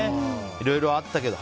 いろいろあったけど。